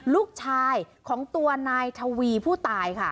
ลูกชายของตัวนายทวีผู้ตายค่ะ